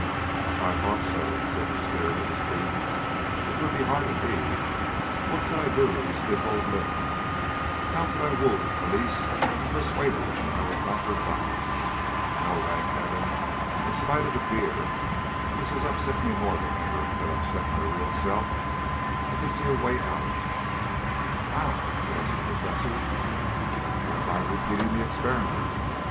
"If I thought so," said the spirit of the student, "it would be hard indeed. What could I do with these stiff old limbs, and how could I woo Elise and persuade her that I was not her father? No, thank Heaven, in spite of the beer which has upset me more than ever it could upset my real self, I can see a way out of it." "How?" gasped the Professor. "Why, by repeating the experiment.